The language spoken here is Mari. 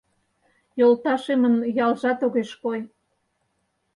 Йолташемын ялжат огеш кой.